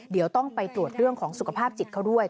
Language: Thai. เดี๋ยวต้องไปตรวจเรื่องของสุขภาพจิตเขาด้วย